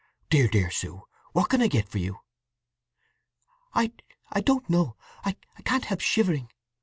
Dear, dear Sue, what can I get for you?" "I don't know! I can't help shivering.